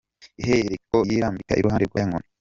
Iherako yirambika iruhande rwa ya nkoni.